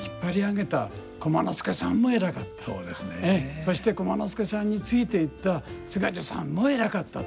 そして駒之助さんについていった津賀寿さんも偉かったと。